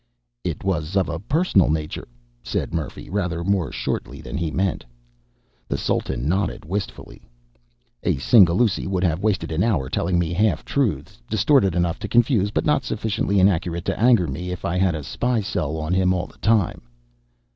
"It was of a personal nature," said Murphy, rather more shortly than he meant. The Sultan nodded wistfully. "A Singhalûsi would have wasted an hour telling me half truths distorted enough to confuse, but not sufficiently inaccurate to anger me if I had a spy cell on him all the time."